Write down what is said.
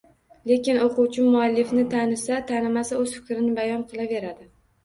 Lekin o‘quvchi muallifni tanisa- tanimasa, o‘z fikrini bayon qilaveradi.